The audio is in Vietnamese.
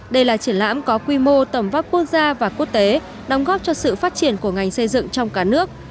đây là triển lãm có quy mô tầm vác quốc gia và quốc tế đóng góp cho sự phát triển của ngành xây dựng trong cả nước